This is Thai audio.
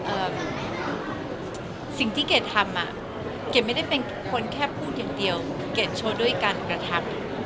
สิ่งที่เกดทำอ่ะเกดไม่ได้เป็นคนแค่พูดอย่างเดียวเกดโชว์ด้วยการกระทำ